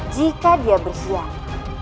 jika dia berhianat